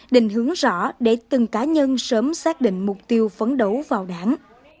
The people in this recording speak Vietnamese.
định hướng rõ để từng cá nhân sớm xác định mục tiêu phấn đấu vào đảng